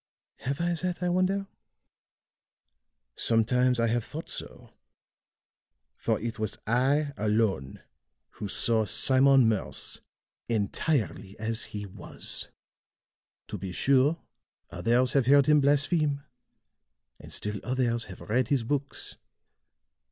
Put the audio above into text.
Have I that, I wonder? Sometimes I have thought so; for it was I alone who saw Simon Morse entirely as he was. To be sure, others have heard him blaspheme, and still others have read his books.